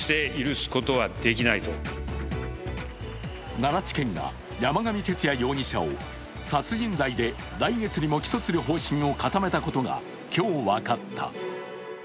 奈良地検が山上徹也容疑者を来月にも起訴する方針を固めたことが今日分かった。